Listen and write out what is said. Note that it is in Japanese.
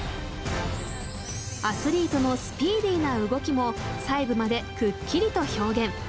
アスリートのスピーディーな動きも細部までくっきりと表現。